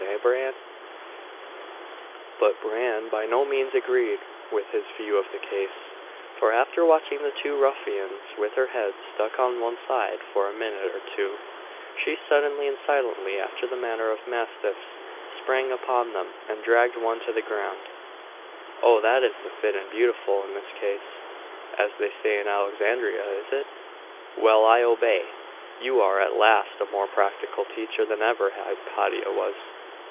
Eh, Bran?' But Bran by no means agreed with his view of the case; for after watching the two ruffians, with her head stuck on one side, for a minute or two, she suddenly and silently, after the manner of mastiffs, sprang upon them, and dragged one to the ground. 'Oh! that is the "fit and beautiful," in this case, as they say in Alexandria, is it? Well I obey. You are at least a more practical teacher than ever Hypatia was.